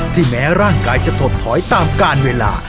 แม้ร่างกายจะถดถอยตามการเวลา